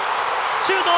シュート！